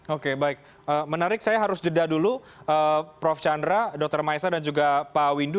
oke baik menarik saya harus jeda dulu prof chandra dr maesa dan juga pak windu